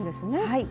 はい。